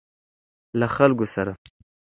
له خلکو سره.